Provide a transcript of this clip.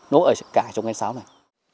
nó ở cả trong cây sáo này